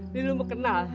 ini kamu mau kenal